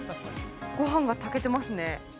ごはんが炊けてますね。